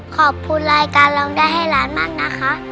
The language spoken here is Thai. ขอบคุณรายการร้องได้ให้ล้านมากนะคะ